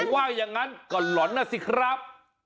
ว่าอย่างนั้นก็หล่อนนะสิครับ